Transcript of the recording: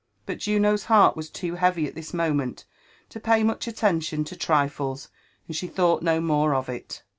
But luno's heart ^aft tfoo heavy ait this moment to pay much attention to trifles, and she thoa^t 4io more of it.